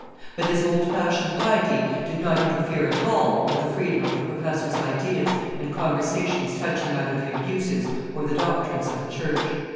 But this old fashioned piety did not interfere at all with the freedom of the professor's ideas and conversations touching either the abuses or the doctrines of the church.